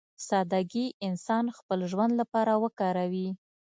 سادهګي انسان خپل ژوند لپاره وکاروي.